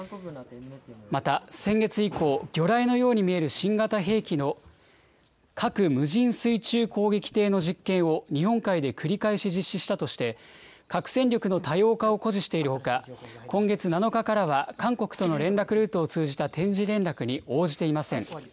また、先月以降、魚雷のように見える新型兵器の核無人水中攻撃艇の実験を、日本海で繰り返し実施したとして、核戦力の多様化を誇示しているほか、今月７日からは、韓国との連絡ルートを通じた定時連絡に応じていません。